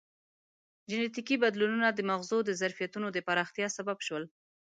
جینټیکي بدلونونه د مغزو د ظرفیتونو د پراختیا سبب شول.